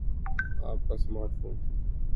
آپ کا smart phone